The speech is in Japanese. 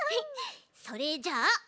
それじゃあたま